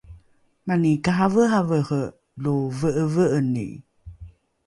mani karaveravere lo ve’eve’eni